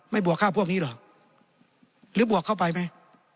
บวกค่าพวกนี้เหรอหรือบวกเข้าไปไหม